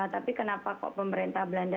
tapi kenapa kok pemerintah belanda